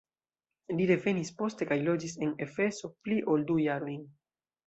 Li revenis poste kaj loĝis en Efeso pli ol du jarojn.